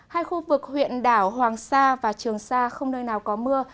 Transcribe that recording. hai khu vực huyện đảo hoàng sa và trường sa không nơi nào có mưa